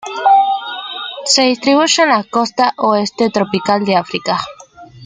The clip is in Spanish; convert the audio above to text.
Se distribuye en la costa oeste tropical de África.